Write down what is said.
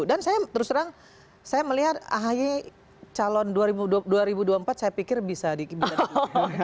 dan terus terang saya melihat ahaye calon dua ribu dua puluh empat saya pikir bisa dikibarkan